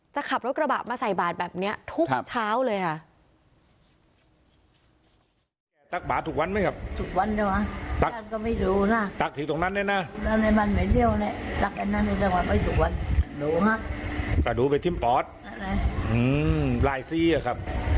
ขับรถกระบะมาใส่บาทแบบนี้ทุกเช้าเลยค่ะ